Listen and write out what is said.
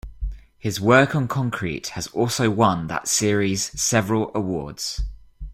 His work on "Concrete" has also won that series several awards.